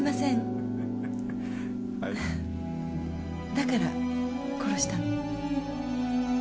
だから殺したの。